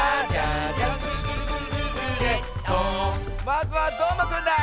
まずはどーもくんだ！